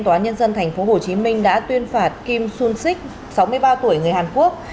tòa nhân dân tp hcm đã tuyên phạt kim sung sik sáu mươi ba tuổi người hàn quốc